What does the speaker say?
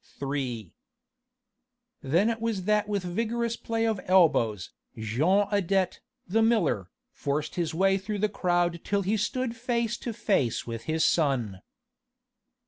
III Then it was that with vigorous play of the elbows, Jean Adet, the miller, forced his way through the crowd till he stood face to face with his son.